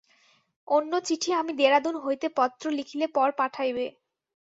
অন্য চিঠি আমি দেরাদুন হইতে পত্র লিখিলে পর পাঠাইবে।